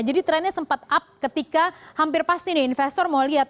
jadi trendnya sempat up ketika hampir pasti nih investor mau lihat